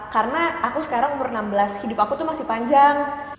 karena aku sekarang umur enam belas hidup aku tuh masih panjang